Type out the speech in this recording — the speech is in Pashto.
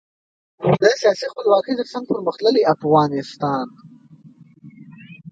د سیاسي خپلواکۍ ترڅنګ پرمختللي افغانستان.